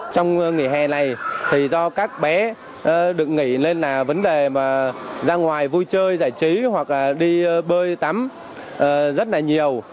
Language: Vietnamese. trong nghỉ hè này thì do các bé được nghỉ nên là vấn đề mà ra ngoài vui chơi giải trí hoặc đi bơi tắm rất là nhiều